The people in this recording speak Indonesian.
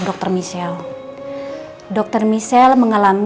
pak amar saya ingin menemukan